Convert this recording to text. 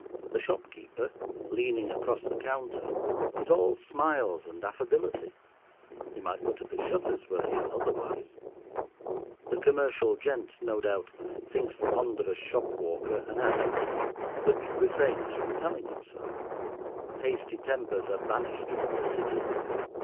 The shopkeeper, leaning across the counter, is all smiles and affability, he might put up his shutters were he otherwise. The commercial gent, no doubt, thinks the ponderous shopwalker an ass, but refrains from telling him so. Hasty tempers are banished from the City.